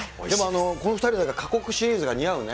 この２人は過酷シリーズが似合うね。